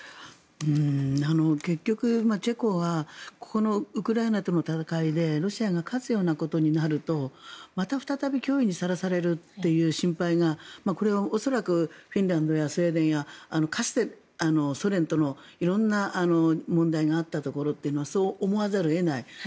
結局、チェコはウクライナとの戦いでロシアが勝つようなことになるとまた再び脅威にさらされるという心配がこれは恐らくフィンランドやスウェーデンやかつてのソ連との色んな問題があったところというのはそう思わざるを得ない。